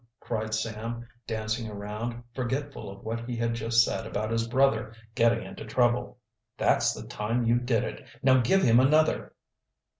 cried Sam, dancing around, forgetful of what he had just said about his brother getting into trouble. "That's the time you did it. Now give him another!"